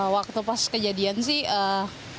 waktu pas kejadian sih